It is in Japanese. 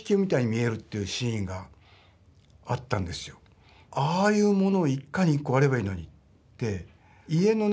ああいうものを一家に一個あればいいのにって。